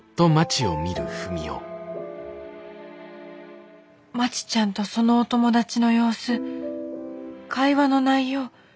・心の声まちちゃんとそのお友達の様子会話の内容